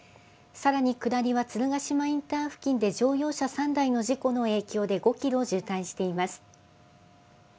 さらに下りは鶴ヶ島インター付近で乗用車３台の事故の影響で５キロ渋滞しています。